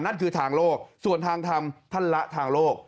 นั่นคือทางโลกส่วนทางทำท่านละทางโลก